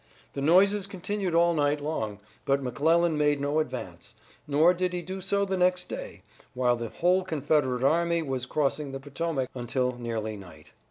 The noises continued all night long, but McClellan made no advance, nor did he do so the next day, while the whole Confederate army was crossing the Potomac, until nearly night.